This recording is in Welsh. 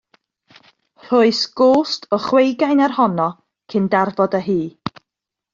Rhoes gost o chweugain ar honno cyn darfod â hi.